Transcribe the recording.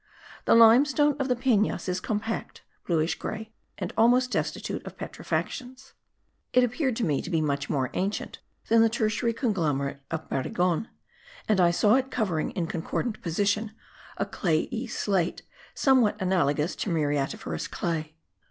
The limestone of the Penas is compact, bluish grey and almost destitute of petrifactions. It appeared to me to be much more ancient than the tertiary conglomerate of Barigon, and I saw it covering, in concordant position, a slaty clay, somewhat analogous to muriatiferous clay.